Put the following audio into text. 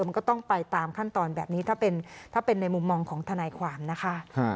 มันก็ต้องไปตามขั้นตอนแบบนี้ถ้าเป็นในมุมมองของทนายความนะคะ